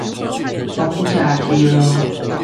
王者之路